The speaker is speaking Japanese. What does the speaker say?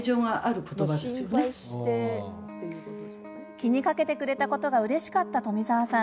気にかけてくれたことがうれしかった富澤さん。